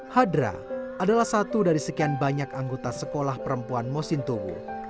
hadra adalah satu dari sekian banyak anggota sekolah perempuan mosintowo